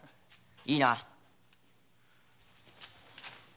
いいな。